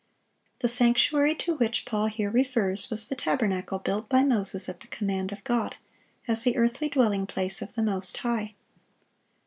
(668) The sanctuary to which Paul here refers was the tabernacle built by Moses at the command of God, as the earthly dwelling place of the Most High.